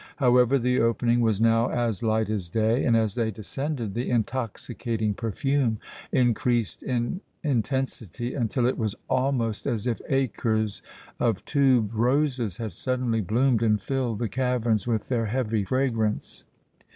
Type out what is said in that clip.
However the opening was now as light as day, and as they descended the intoxicating perfume increased in intensity until it was almost as if acres of tube roses had suddenly bloomed and filled the caverns with their heavy fragrance.